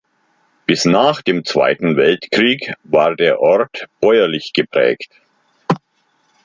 Bis nach dem Zweiten Weltkrieg war der Ort bäuerlich geprägt.